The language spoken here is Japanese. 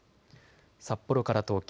札幌から東京。